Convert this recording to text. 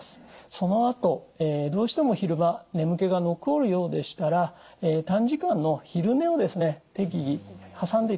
そのあとどうしても昼間眠気が残るようでしたら短時間の昼寝をですね適宜挟んでいただくのがいいと思います。